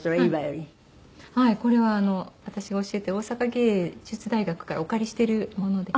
これは私が教えてる大阪芸術大学からお借りしてるもので。